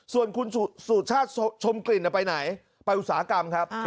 ส่วนคุณสุชาติชมกลิ่นไปไหนไปอุตสาหกรรมครับ